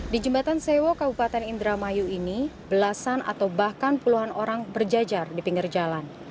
di jembatan sewo kabupaten indramayu ini belasan atau bahkan puluhan orang berjajar di pinggir jalan